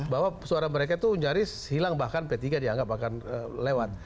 bahwa suara mereka itu nyaris hilang bahkan p tiga dianggap akan lewat